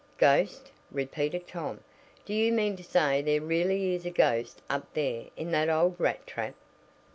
"Ghost!" repeated Tom. "Do you mean to say there really is a ghost up there in that old rat trap?"